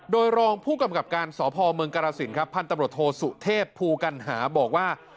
โดยรองผู้กำกับการสพเมืองกราศิลป์พทศุเทพภูกัณหาบอกว่า